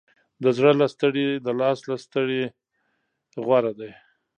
د زړه له ستړې، د لاس ستړې غوره ده.